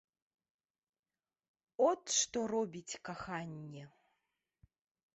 От што робіць каханне!